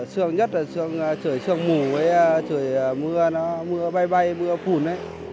sương nhất là sương sương mù sương mưa bay bay mưa phùn